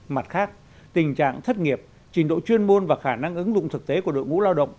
mặt khác tình trạng thất nghiệp trình độ chuyên môn và khả năng ứng dụng thực tế của đội ngũ lao động